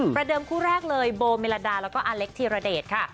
เดิมคู่แรกเลยโบเมลดาแล้วก็อเล็กธีรเดชค่ะ